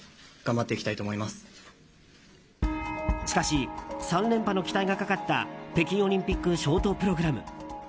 しかし３連覇の期待がかかった北京オリンピックショートプログラム。